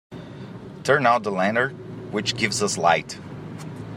Turn out the lantern which gives us light.